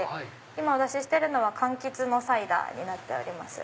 今お出ししてるのはかんきつのサイダーになってます。